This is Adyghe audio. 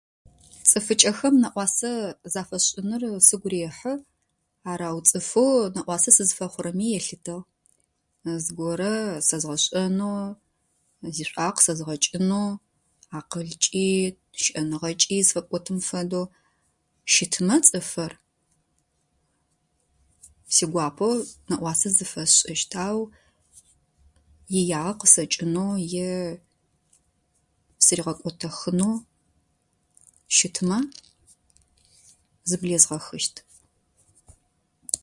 Цӏыфыкӏэхэм нэӏуасэ зафэшӏыныр сыгу рехьы. Арэу цӏыфы нэӏуасэ сызфэхъурэми елъытыгъ. Зыгорэ зэзгъашӏэнэу, зишӏуагъэ къысэзгъакӏынэу акъылкӏи, шӏэныгъэкӏи зыфэпӏотын фэдэу щытмэ цӏыфыр сигуапэу нэӏуасэ зыфэсшӏыщт, ау иягъэ къысэкӏынэу е зирэгъэкӏотыхынэу щытмэ зиблэсгъэхыщт.